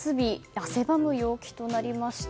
汗ばむ陽気となりました。